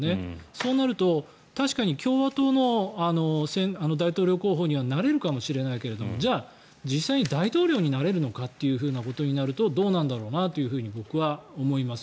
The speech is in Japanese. そうなると確かに共和党の大統領候補にはなれるかもしれないけどじゃあ、実際に大統領になれるのかということになるとどうなんだろうなって僕は思います。